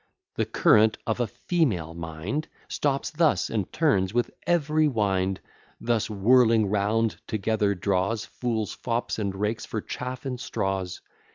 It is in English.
The current of a female mind Stops thus, and turns with every wind: Thus whirling round together draws Fools, fops, and rakes, for chaff and straws.